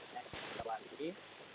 perhubungan yang terlalu